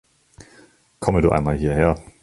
Komme du einmal hier her!